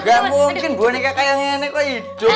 gak mungkin boneka kayaknya enek kok hidup